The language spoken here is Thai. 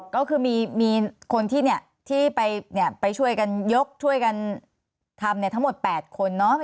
ก็คือมีคนที่ไปช่วยกันยกช่วยกันทำทั้งหมด๘คน